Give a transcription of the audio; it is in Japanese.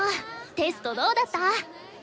テストどうだった？